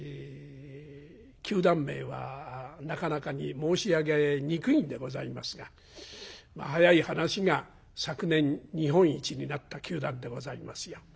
球団名はなかなかに申し上げにくいんでございますが早い話が昨年日本一になった球団でございますよ。